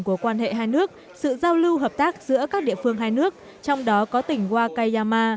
của quan hệ hai nước sự giao lưu hợp tác giữa các địa phương hai nước trong đó có tỉnh wakayama